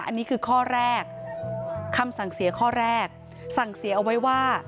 อันนี้คือข้อแรกคำสั่งเสียข้อแรกสั่งเสียเอาไว้ว่า